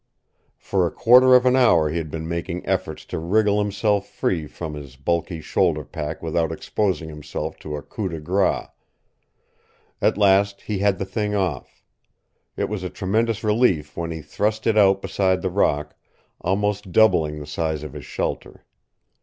For a quarter of an hour he had been making efforts to wriggle himself free from his bulky shoulder pack without exposing himself to a coup de grace. At last he had the thing off. It was a tremendous relief when he thrust it out beside the rock, almost doubling the size of his shelter.